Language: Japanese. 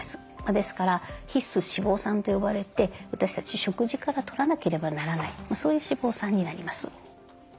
ですから必須脂肪酸と呼ばれて私たち食事からとらなければならないそういう脂肪酸になります。